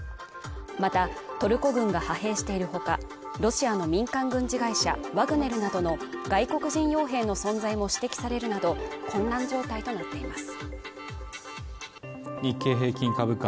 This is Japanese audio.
またトルコ軍が派兵しているほかロシアの民間軍事会社ワグネルなどの外国人傭兵の存在も指摘されるなど混乱状態となっています